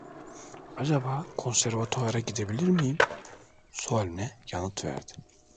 "Acaba konservatuvara gidebilir miyim?" sualine yanıt verdi: